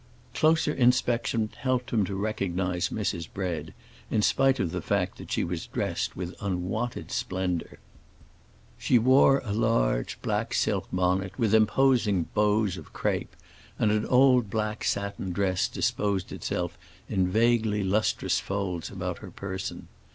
Closer inspection helped him to recognize Mrs. Bread, in spite of the fact that she was dressed with unwonted splendor. She wore a large black silk bonnet, with imposing bows of crape, and an old black satin dress disposed itself in vaguely lustrous folds about her person.